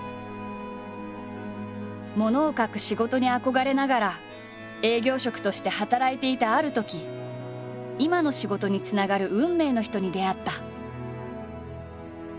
ものを書く仕事に憧れながら営業職として働いていたあるとき今の仕事につながる運命の人に出会った。